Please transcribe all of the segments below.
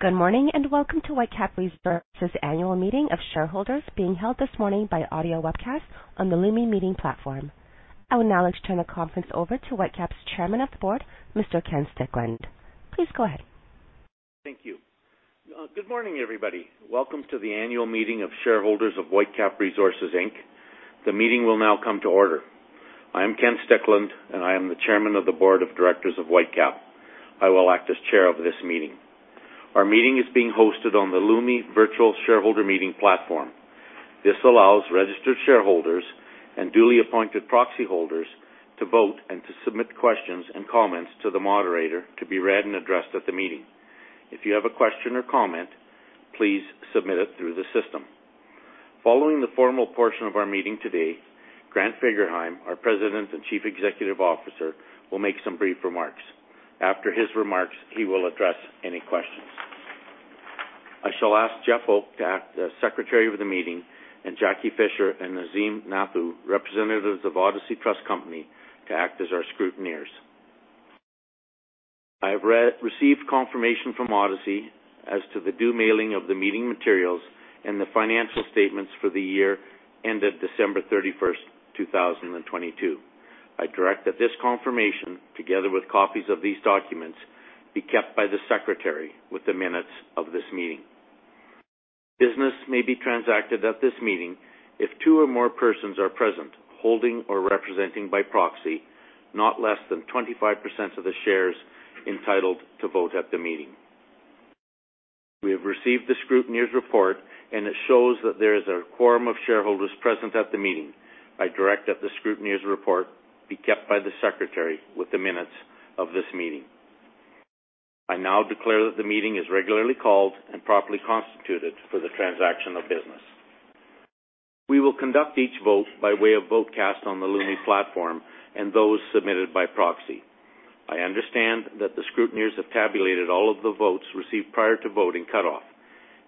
Good morning and welcome to Whitecap Resources' annual meeting of shareholders being held this morning by audio webcast on the Lumi Meeting platform. I will now turn the conference over to Whitecap's Chairman of the Board, Mr. Ken Stickland. Please go ahead. Thank you. Good morning, everybody. Welcome to the annual meeting of shareholders of Whitecap Resources, Inc. The meeting will now come to order. I am Ken Stickland, and I am the Chairman of the Board of Directors of Whitecap. I will act as Chair of this meeting. Our meeting is being hosted on the Lumi Virtual Shareholder Meeting platform. This allows registered shareholders and duly appointed proxy holders to vote and to submit questions and comments to the moderator to be read and addressed at the meeting. If you have a question or comment, please submit it through the system. Following the formal portion of our meeting today, Grant Fagerheim, our President and Chief Executive Officer, will make some brief remarks. After his remarks, he will address any questions. I shall ask Jeff Oke to act as Secretary of the Meeting, and Jackie Fisher and Nazeem Nathu, representatives of Odyssey Trust Company, to act as our scrutineers. I have received confirmation from Odyssey as to the due mailing of the meeting materials and the financial statements for the year ended December 31st, 2022. I direct that this confirmation, together with copies of these documents, be kept by the Secretary with the minutes of this meeting. Business may be transacted at this meeting if two or more persons are present holding or representing by proxy, not less than 25% of the shares entitled to vote at the meeting. We have received the scrutineer's report, and it shows that there is a quorum of shareholders present at the meeting. I direct that the scrutineer's report be kept by the Secretary with the minutes of this meeting. I now declare that the meeting is regularly called and properly constituted for the transaction of business. We will conduct each vote by way of vote cast on the Lumi platform and those submitted by proxy. I understand that the scrutineers have tabulated all of the votes received prior to voting cutoff.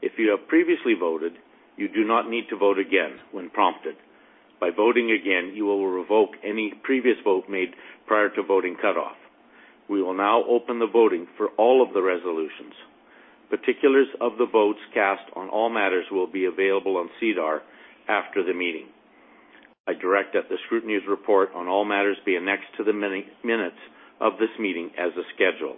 If you have previously voted, you do not need to vote again when prompted. By voting again, you will revoke any previous vote made prior to voting cutoff. We will now open the voting for all of the resolutions. Particulars of the votes cast on all matters will be available on SEDAR after the meeting. I direct that the scrutineer's report on all matters be annexed to the minutes of this meeting as a schedule.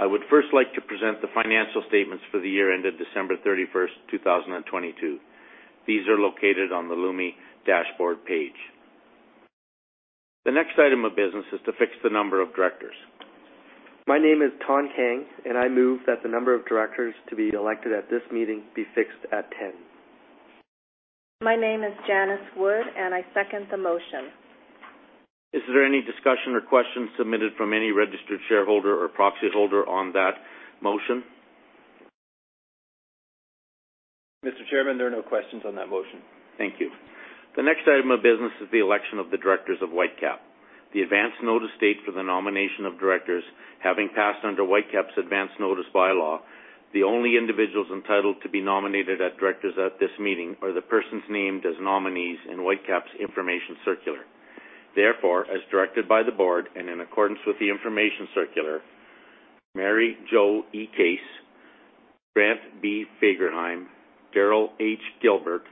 I would first like to present the financial statements for the year ended December 31st, 2022. These are located on the Lumi dashboard page. The next item of business is to fix the number of directors. My name is Thanh Kang, and I move that the number of directors to be elected at this meeting be fixed at 10. My name is Janice Wood, and I second the motion. Is there any discussion or question submitted from any registered shareholder or proxy holder on that motion? Mr. Chairman, there are no questions on that motion. Thank you. The next item of business is the election of the directors of Whitecap. The advance notice date for the nomination of directors, having passed under Whitecap's advance notice bylaw, the only individuals entitled to be nominated as directors at this meeting are the persons named as nominees in Whitecap's information circular. Therefore, as directed by the board and in accordance with the information circular, Mary Jo E. Case, Grant B. Fagerheim, Daryl H. Gilbert,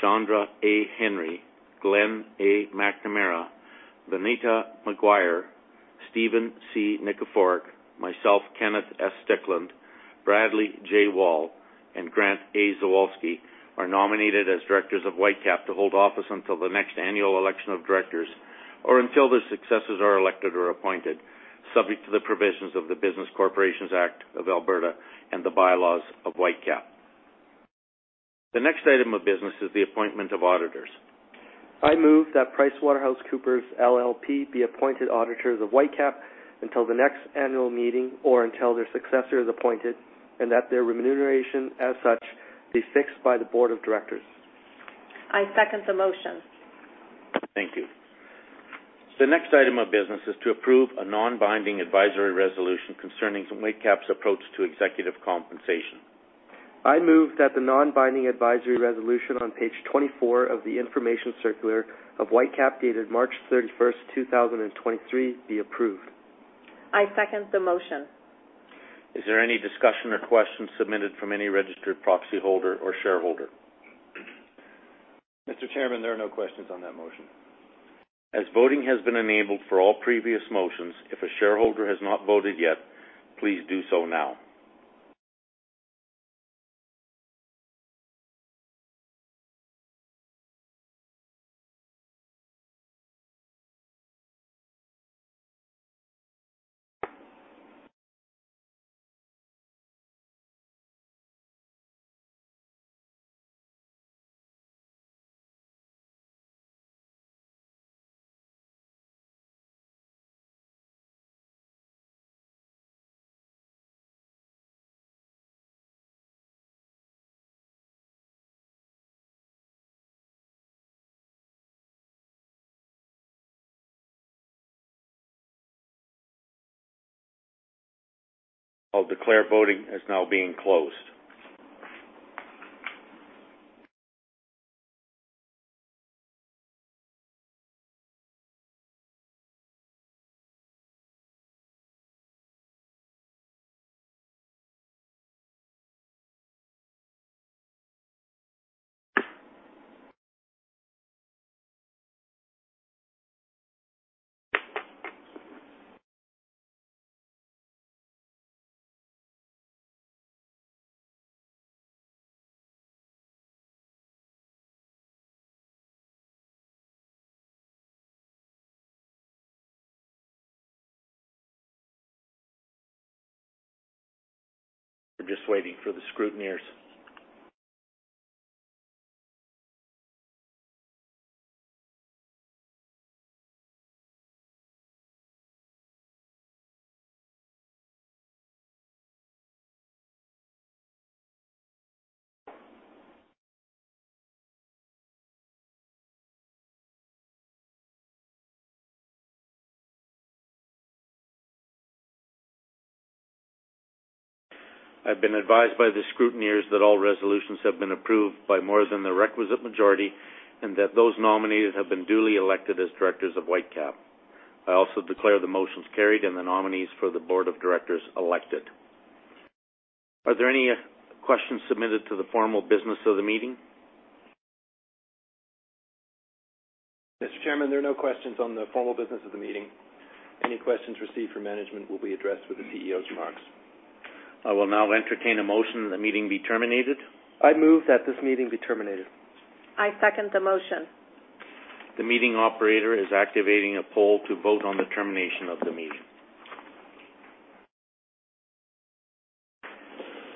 Chandra A. Henry, Glenn A. McNamara, Vineeta Maguire, Stephen C. Nikiforuk, myself, Kenneth S. Stickland, Bradley J. Wall, and Grant A. Zawalsky are nominated as directors of Whitecap to hold office until the next annual election of directors or until their successors are elected or appointed, subject to the provisions of the Business Corporations Act of Alberta and the bylaws of Whitecap. The next item of business is the appointment of auditors. I move that PricewaterhouseCoopers LLP be appointed auditors of Whitecap until the next annual meeting or until their successor is appointed and that their remuneration, as such, be fixed by the board of directors. I second the motion. Thank you. The next item of business is to approve a non-binding advisory resolution concerning Whitecap's approach to executive compensation. I move that the non-binding advisory resolution on page 24 of the information circular of Whitecap dated March 31st, 2023, be approved. I second the motion. Is there any discussion or question submitted from any registered proxy holder or shareholder? Mr. Chairman, there are no questions on that motion. As voting has been enabled for all previous motions, if a shareholder has not voted yet, please do so now. I'll declare voting as now being closed. We're just waiting for the scrutineers. I've been advised by the scrutineers that all resolutions have been approved by more than the requisite majority and that those nominated have been duly elected as directors of Whitecap. I also declare the motions carried and the nominees for the board of directors elected. Are there any questions submitted to the formal business of the meeting? Mr. Chairman, there are no questions on the formal business of the meeting. Any questions received from management will be addressed with the CEO's remarks. I will now entertain a motion that the meeting be terminated. I move that this meeting be terminated. I second the motion. The meeting operator is activating a poll to vote on the termination of the meeting.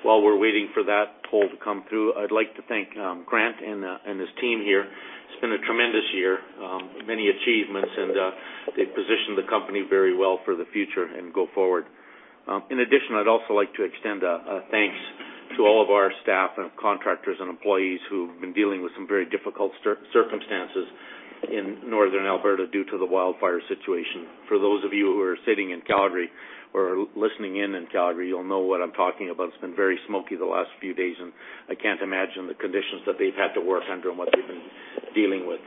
While we're waiting for that poll to come through, I'd like to thank Grant and his team here. It's been a tremendous year, many achievements, and they've positioned the company very well for the future and go forward. In addition, I'd also like to extend a thanks to all of our staff and contractors and employees who have been dealing with some very difficult circumstances in Northern Alberta due to the wildfire situation. For those of you who are sitting in Calgary or listening in in Calgary, you'll know what I'm talking about. It's been very smoky the last few days, and I can't imagine the conditions that they've had to work under and what they've been dealing with.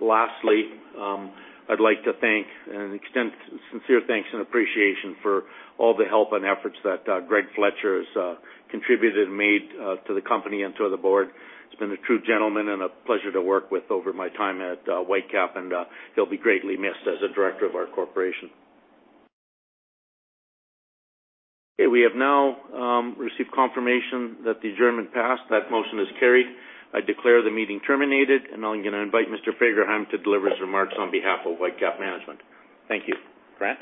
Lastly, I'd like to thank and extend sincere thanks and appreciation for all the help and efforts that Greg Fletcher has contributed and made to the company and to the board. He's been a true gentleman and a pleasure to work with over my time at Whitecap, and he'll be greatly missed as a director of our corporation. Okay, we have now received confirmation that the adjournment passed. That motion is carried. I declare the meeting terminated, and I'm going to invite Mr. Fagerheim to deliver his remarks on behalf of Whitecap Management. Thank you, Grant.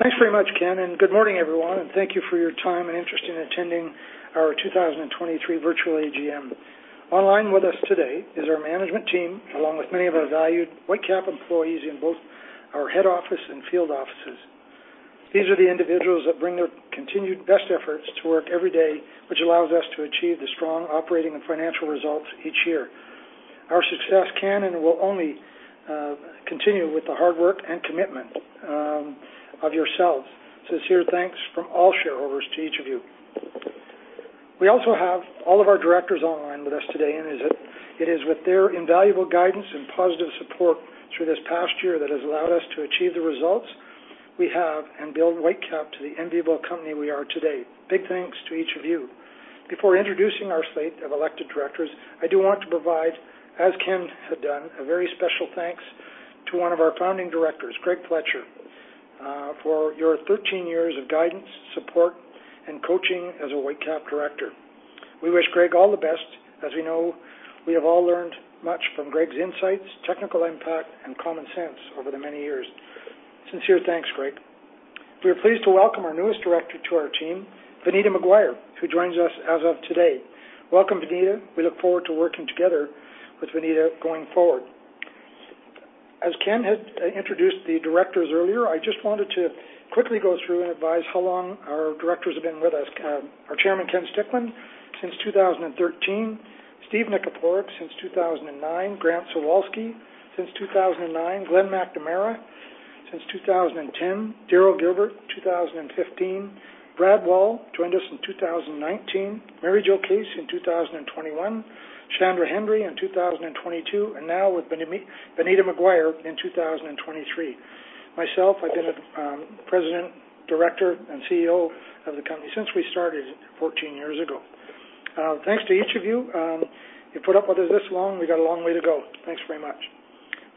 Thanks very much, Ken, and good morning, everyone, and thank you for your time and interest in attending our 2023 Virtual AGM. Online with us today is our management team, along with many of our valued Whitecap employees in both our head office and field offices. These are the individuals that bring their continued best efforts to work every day, which allows us to achieve the strong operating and financial results each year. Our success can and will only continue with the hard work and commitment of yourselves. Sincere thanks from all shareholders to each of you. We also have all of our directors online with us today, and it is with their invaluable guidance and positive support through this past year that has allowed us to achieve the results we have and build Whitecap to the enviable company we are today. Big thanks to each of you. Before introducing our slate of elected directors, I do want to provide, as Ken had done, a very special thanks to one of our founding directors, Greg Fletcher, for your 13 years of guidance, support, and coaching as a Whitecap director. We wish Greg all the best, as we know we have all learned much from Greg's insights, technical impact, and common sense over the many years. Sincere thanks, Greg. We are pleased to welcome our newest director to our team, Vineeta Maguire, who joins us as of today. Welcome, Vineeta. We look forward to working together with Vineeta going forward. As Ken had introduced the directors earlier, I just wanted to quickly go through and advise how long our directors have been with us. Our Chairman, Ken Stickland, since 2013, Steve Nikiforuk, since 2009, Grant Zawalsky, since 2009, Glenn McNamara, since 2010, Daryl Gilbert, 2015, Brad Wall joined us in 2019, Mary Jo Case in 2021, Chandra Henry in 2022, and now with Vineeta Maguire in 2023. Myself, I've been a president, director, and CEO of the company since we started 14 years ago. Thanks to each of you. You put up with us this long. We got a long way to go. Thanks very much.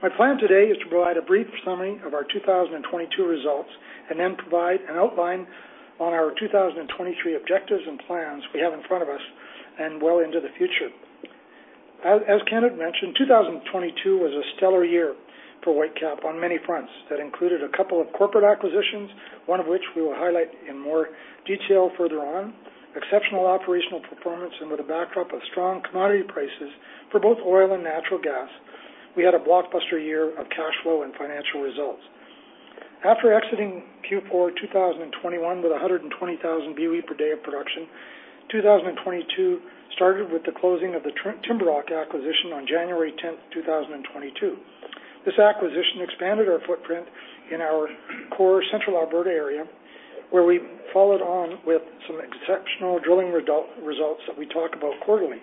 My plan today is to provide a brief summary of our 2022 results and then provide an outline on our 2023 objectives and plans we have in front of us and well into the future. As Kenneth mentioned, 2022 was a stellar year for Whitecap on many fronts. That included a couple of corporate acquisitions, one of which we will highlight in more detail further on, exceptional operational performance, and with a backdrop of strong commodity prices for both oil and natural gas, we had a blockbuster year of cash flow and financial results. After exiting Q4 2021 with 120,000 boe per day of production, 2022 started with the closing of the TimberRock acquisition on January 10th, 2022. This acquisition expanded our footprint in our core Central Alberta area, where we followed on with some exceptional drilling results that we talk about quarterly.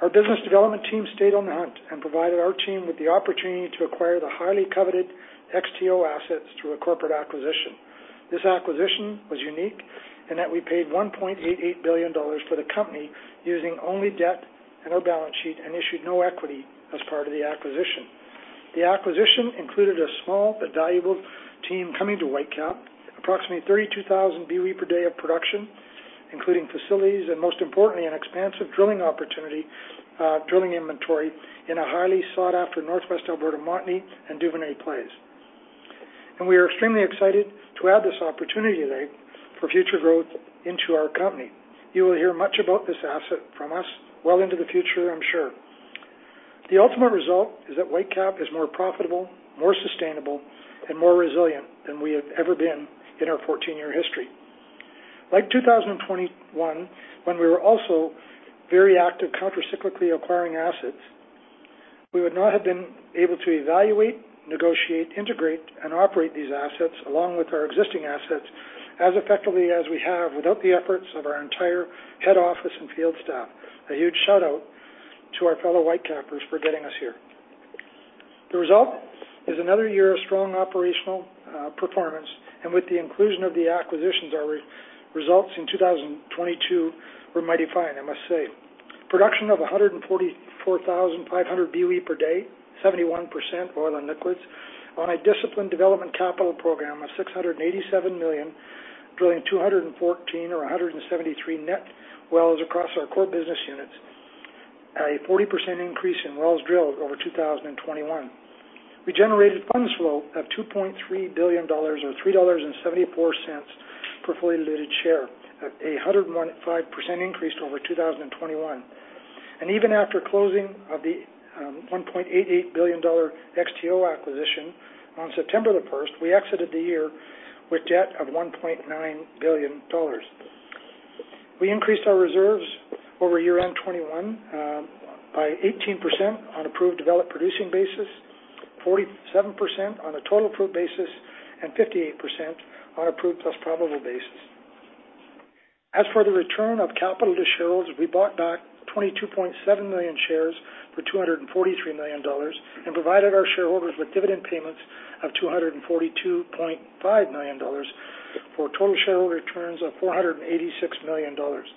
Our business development team stayed on the hunt and provided our team with the opportunity to acquire the highly coveted XTO assets through a corporate acquisition. This acquisition was unique in that we paid 1.88 billion dollars for the company using only debt in our balance sheet and issued no equity as part of the acquisition. The acquisition included a small but valuable team coming to Whitecap, approximately 32,000 boe per day of production, including facilities and, most importantly, an expansive drilling opportunity, drilling inventory in a highly sought-after Northwest Alberta Montney and Duvernay plays. And we are extremely excited to add this opportunity today for future growth into our company. You will hear much about this asset from us well into the future, I'm sure. The ultimate result is that Whitecap is more profitable, more sustainable, and more resilient than we have ever been in our 14-year history. Like 2021, when we were also very active countercyclically acquiring assets, we would not have been able to evaluate, negotiate, integrate, and operate these assets along with our existing assets as effectively as we have without the efforts of our entire head office and field staff. A huge shout-out to our fellow Whitecappers for getting us here. The result is another year of strong operational performance, and with the inclusion of the acquisitions, our results in 2022 were mighty fine, I must say. Production of 144,500 boe per day, 71% oil and liquids, on a disciplined development capital program of 687 million, drilling 214 or 173 net wells across our core business units, a 40% increase in wells drilled over 2021. We generated funds flow of CAD $2.3 billion or $3.74 per fully diluted share, a 105% increase over 2021. And even after closing of the CAD $1.88 billion XTO acquisition on September the 1st, we exited the year with debt of CAD $1.9 billion. We increased our reserves over year-end 2021 by 18% on approved developed producing basis, 47% on a total approved basis, and 58% on approved plus probable basis. As for the return of capital to shareholders, we bought back 22.7 million shares for 243 million dollars and provided our shareholders with dividend payments of 242.5 million dollars for total shareholder returns of 486 million dollars.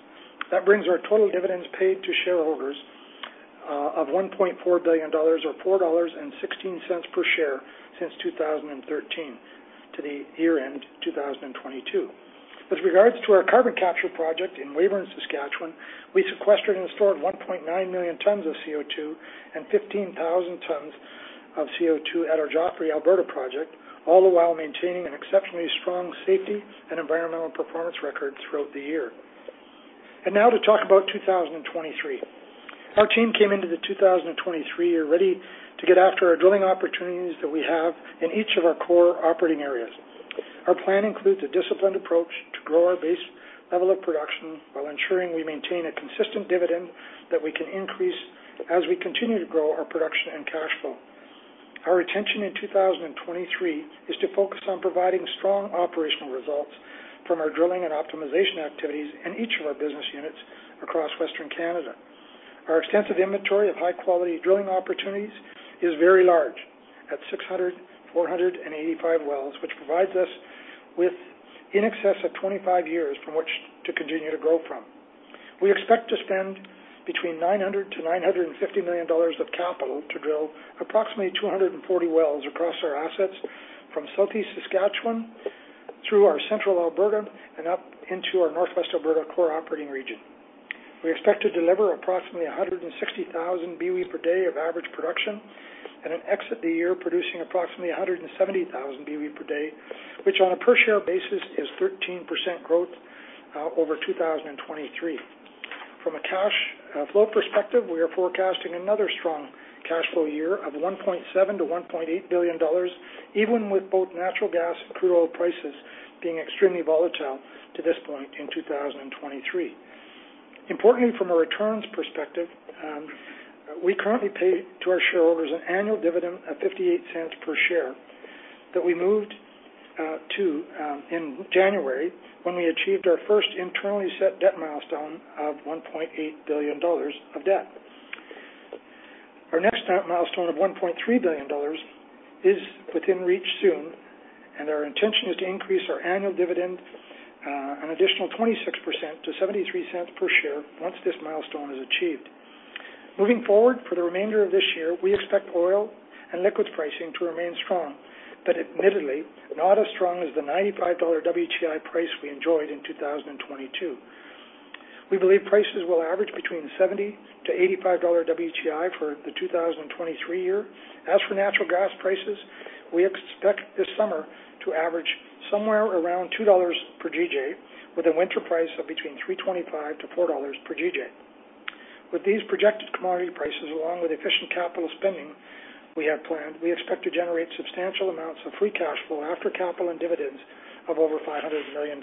That brings our total dividends paid to shareholders of 1.4 billion dollars or 4.16 dollars per share since 2013 to the year-end 2022. With regards to our carbon capture project in Weyburn, Saskatchewan, we sequestered and stored 1.9 million tons of CO2 and 15,000 tons of CO2 at our Joffre, Alberta project, all the while maintaining an exceptionally strong safety and environmental performance record throughout the year. Now to talk about 2023. Our team came into the 2023 year ready to get after our drilling opportunities that we have in each of our core operating areas. Our plan includes a disciplined approach to grow our base level of production while ensuring we maintain a consistent dividend that we can increase as we continue to grow our production and cash flow. Our intention in 2023 is to focus on providing strong operational results from our drilling and optimization activities in each of our business units across Western Canada. Our extensive inventory of high-quality drilling opportunities is very large at 6,485 wells, which provides us with in excess of 25 years from which to continue to grow from. We expect to spend between 900 million to 950 million dollars of capital to drill approximately 240 wells across our assets from Southeast Saskatchewan through our Central Alberta and up into our Northwest Alberta core operating region. We expect to deliver approximately 160,000 boe per day of average production and an exit the year producing approximately 170,000 boe per day, which on a per-share basis is 13% growth over 2023. From a cash flow perspective, we are forecasting another strong cash flow year of $1.7-$1.8 billion, even with both natural gas and crude oil prices being extremely volatile to this point in 2023. Importantly, from a returns perspective, we currently pay to our shareholders an annual dividend of $0.58 per share that we moved to in January when we achieved our first internally set debt milestone of $1.8 billion of debt. Our next debt milestone of $1.3 billion is within reach soon, and our intention is to increase our annual dividend an additional 26% to $0.73 per share once this milestone is achieved. Moving forward for the remainder of this year, we expect oil and liquid pricing to remain strong, but admittedly, not as strong as the $95 WTI price we enjoyed in 2022. We believe prices will average between $70-$85 WTI for the 2023 year. As for natural gas prices, we expect this summer to average somewhere around $2 per GJ, with a winter price of between $3.25-$4 per GJ. With these projected commodity prices, along with efficient capital spending we have planned, we expect to generate substantial amounts of free cash flow after capital and dividends of over $500 million.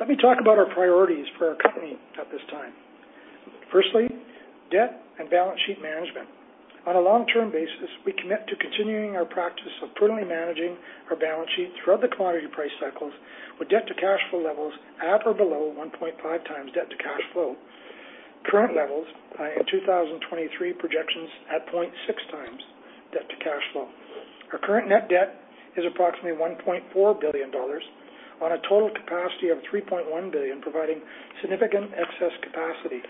Let me talk about our priorities for our company at this time. Firstly, debt and balance sheet management. On a long-term basis, we commit to continuing our practice of prudently managing our balance sheet throughout the commodity price cycles with debt to cash flow levels at or below 1.5 times debt to cash flow current levels in 2023 projections at 0.6 times debt to cash flow. Our current net debt is approximately 1.4 billion dollars on a total capacity of 3.1 billion, providing significant excess capacity.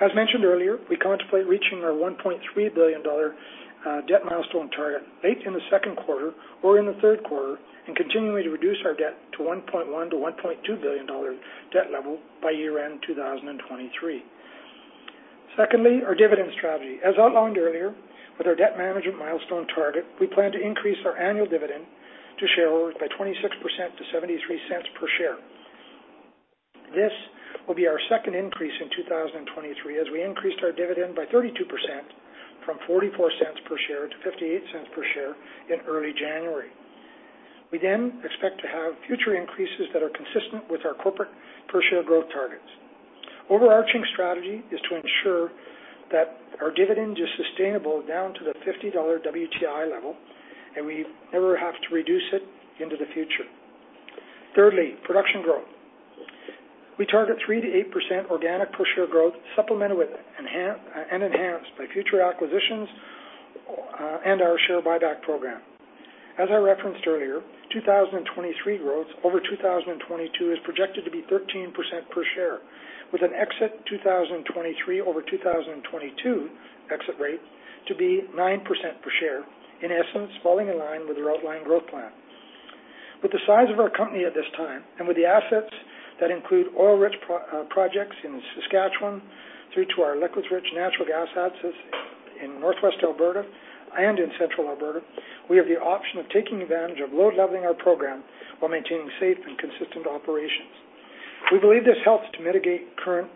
As mentioned earlier, we contemplate reaching our 1.3 billion dollar debt milestone target late in the second quarter or in the third quarter and continuing to reduce our debt to 1.1-1.2 billion dollar debt level by year-end 2023. Secondly, our dividend strategy. As outlined earlier, with our debt management milestone target, we plan to increase our annual dividend to shareholders by 26% to 0.73 per share. This will be our second increase in 2023, as we increased our dividend by 32% from 0.44 per share to 0.58 per share in early January. We then expect to have future increases that are consistent with our corporate per-share growth targets. Overarching strategy is to ensure that our dividend is sustainable down to the $50 WTI level, and we never have to reduce it into the future. Thirdly, production growth. We target 3%-8% organic per-share growth, supplemented with and enhanced by future acquisitions and our share buyback program. As I referenced earlier, 2023 growth over 2022 is projected to be 13% per share, with an exit 2023 over 2022 exit rate to be 9% per share, in essence, falling in line with our outline growth plan. With the size of our company at this time and with the assets that include oil-rich projects in Saskatchewan through to our liquids-rich natural gas assets in Northwest Alberta and in Central Alberta, we have the option of taking advantage of load-leveling our program while maintaining safe and consistent operations. We believe this helps to mitigate current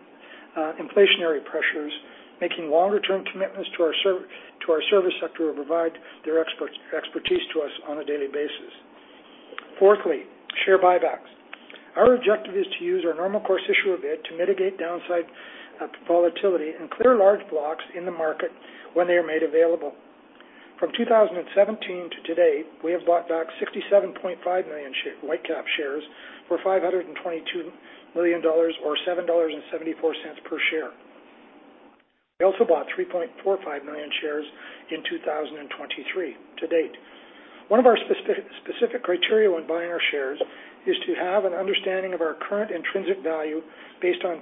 inflationary pressures, making longer-term commitments to our service sector who provide their expertise to us on a daily basis. Fourthly, share buybacks. Our objective is to use our normal course issuer bid to mitigate downside volatility and clear large blocks in the market when they are made available. From 2017 to today, we have bought back 67.5 million Whitecap shares for 522 million dollars or 7.74 dollars per share. We also bought 3.45 million shares in 2023 to date. One of our specific criteria when buying our shares is to have an understanding of our current intrinsic value based on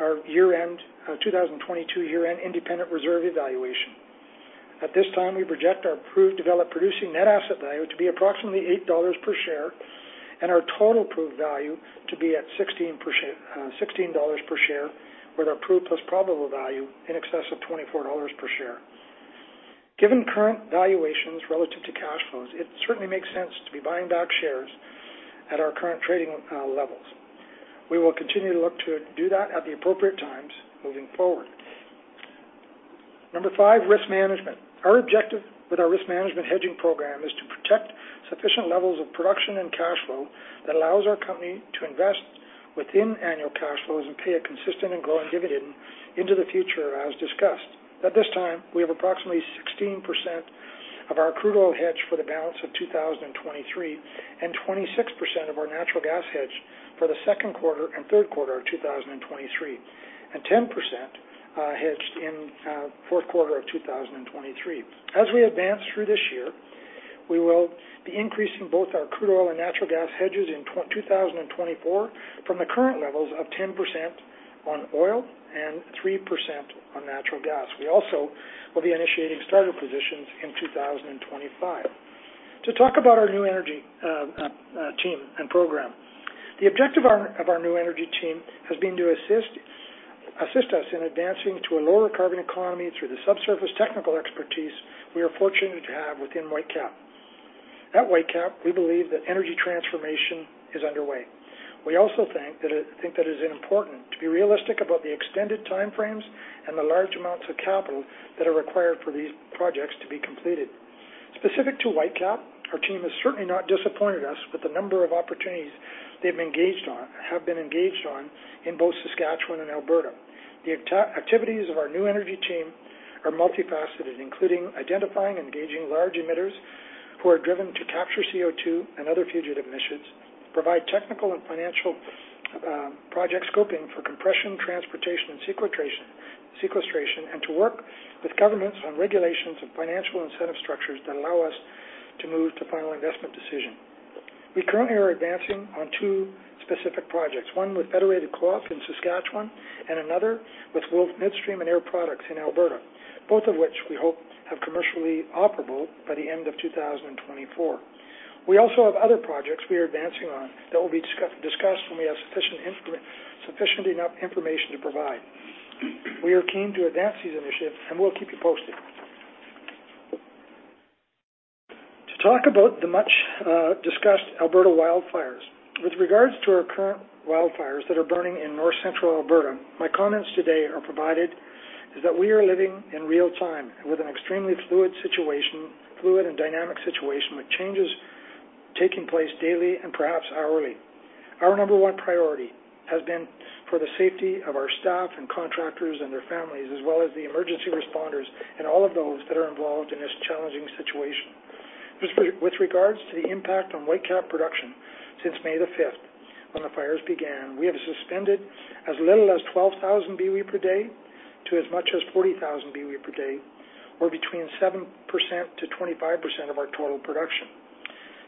our year-end 2022 independent reserve evaluation. At this time, we project our proved developed producing net asset value to be approximately 8 dollars per share and our total proved value to be at 16 dollars per share with our proved plus probable value in excess of 24 dollars per share. Given current valuations relative to cash flows, it certainly makes sense to be buying back shares at our current trading levels. We will continue to look to do that at the appropriate times moving forward. Number five, risk management. Our objective with our risk management hedging program is to protect sufficient levels of production and cash flow that allows our company to invest within annual cash flows and pay a consistent and growing dividend into the future, as discussed. At this time, we have approximately 16% of our crude oil hedge for the balance of 2023 and 26% of our natural gas hedge for the second quarter and third quarter of 2023, and 10% hedged in fourth quarter of 2023. As we advance through this year, we will be increasing both our crude oil and natural gas hedges in 2024 from the current levels of 10% on oil and 3% on natural gas. We also will be initiating starter positions in 2025. To talk about our new energy team and program, the objective of our new energy team has been to assist us in advancing to a lower carbon economy through the subsurface technical expertise we are fortunate to have within Whitecap. At Whitecap, we believe that energy transformation is underway. We also think that it is important to be realistic about the extended timeframes and the large amounts of capital that are required for these projects to be completed. Specific to Whitecap, our team has certainly not disappointed us with the number of opportunities they have been engaged on in both Saskatchewan and Alberta. The activities of our new energy team are multifaceted, including identifying and engaging large emitters who are driven to capture CO2 and other fugitive emissions, provide technical and financial project scoping for compression, transportation, and sequestration, and to work with governments on regulations and financial incentive structures that allow us to move to final investment decision. We currently are advancing on two specific projects, one with Federated Co-op in Saskatchewan and another with Wolf Midstream and Air Products in Alberta, both of which we hope have commercially operable by the end of 2024. We also have other projects we are advancing on that will be discussed when we have sufficient enough information to provide. We are keen to advance these initiatives, and we'll keep you posted. To talk about the much-discussed Alberta wildfires. With regards to our current wildfires that are burning in North Central Alberta, my comments today are provided is that we are living in real time with an extremely fluid situation, fluid and dynamic situation with changes taking place daily and perhaps hourly. Our number one priority has been for the safety of our staff and contractors and their families, as well as the emergency responders and all of those that are involved in this challenging situation. With regards to the impact on Whitecap production since May the 5th when the fires began, we have suspended as little as 12,000 boe per day to as much as 40,000 boe per day, or between 7%-25% of our total production.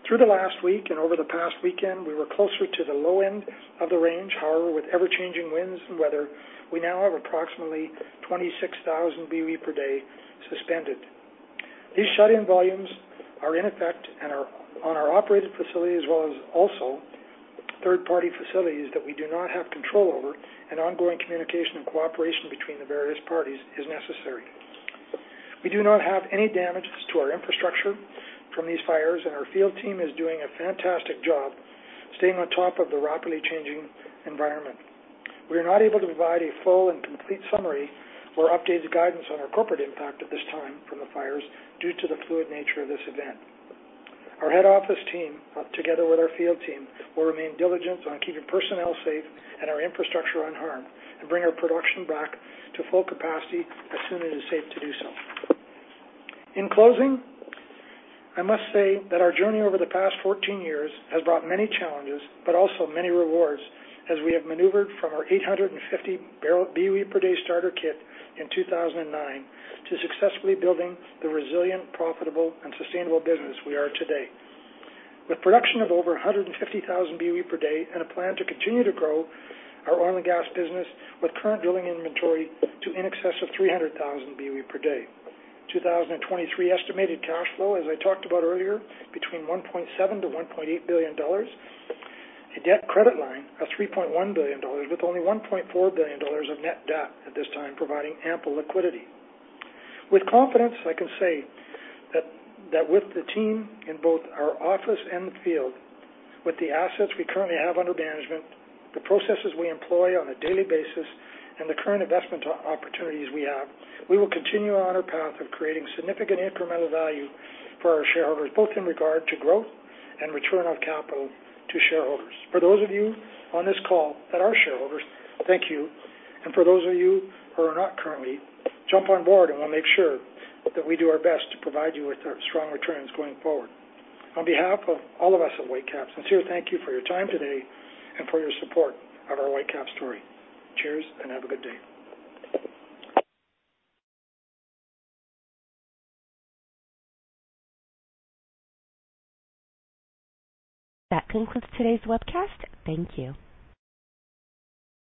Through the last week and over the past weekend, we were closer to the low end of the range. However, with ever-changing winds and weather, we now have approximately 26,000 boe per day suspended. These shut-in volumes are in effect and are on our operated facility as well as also third-party facilities that we do not have control over, and ongoing communication and cooperation between the various parties is necessary. We do not have any damage to our infrastructure from these fires, and our field team is doing a fantastic job staying on top of the rapidly changing environment. We are not able to provide a full and complete summary or updated guidance on our corporate impact at this time from the fires due to the fluid nature of this event. Our head office team, together with our field team, will remain diligent on keeping personnel safe and our infrastructure unharmed and bring our production back to full capacity as soon as it is safe to do so. In closing, I must say that our journey over the past 14 years has brought many challenges, but also many rewards as we have maneuvered from our 850 boe per day starter kit in 2009 to successfully building the resilient, profitable, and sustainable business we are today. With production of over 150,000 boe per day and a plan to continue to grow our oil and gas business with current drilling inventory to in excess of 300,000 boe per day, 2023 estimated cash flow, as I talked about earlier, between 1.7 billion to 1.8 billion dollars, a debt credit line of 3.1 billion dollars with only 1.4 billion dollars of net debt at this time providing ample liquidity. With confidence, I can say that with the team in both our office and the field, with the assets we currently have under management, the processes we employ on a daily basis, and the current investment opportunities we have, we will continue on our path of creating significant incremental value for our shareholders, both in regard to growth and return on capital to shareholders. For those of you on this call that are shareholders, thank you. For those of you who are not currently, jump on board, and we'll make sure that we do our best to provide you with strong returns going forward. On behalf of all of us at Whitecap, sincere thank you for your time today and for your support of our Whitecap story. Cheers and have a good day. That concludes today's webcast. Thank you.